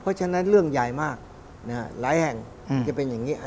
เพราะฉะนั้นเรื่องใหญ่มากหลายแห่งจะเป็นอย่างนี้